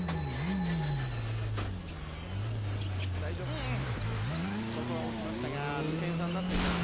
２本目は落ちましたが２点差になっています。